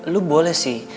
lu boleh sih